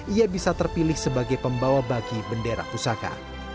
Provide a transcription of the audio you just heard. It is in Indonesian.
ia bisa terpilih sebagai pembawa bagi bendera pusaka